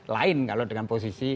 lain kalau dengan posisi